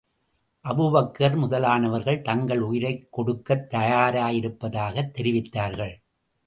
Abu Bakr முதலானவர்கள் தங்கள் உயிரைக் கொடுக்கத் தயாராயிருப்பதாகத் தெரிவித்தார்கள்.